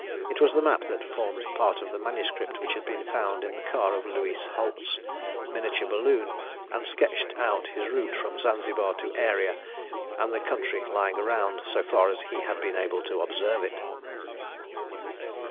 It was the map that formed part of the manuscript which had been found in the car of Louis Holt's miniature balloon, and sketched out his route from Zanzibar to Aeria, and the country lying round so far as he had been able to observe it.